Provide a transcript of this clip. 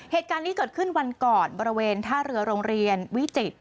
เหตุการณ์นี้เกิดขึ้นวันก่อนบริเวณท่าเรือโรงเรียนวิจิตร